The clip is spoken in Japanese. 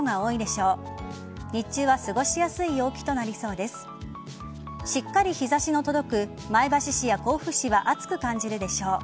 しっかり日差しの届く前橋市や甲府市は暑く感じるでしょう。